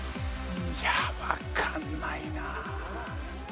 いやわかんないな。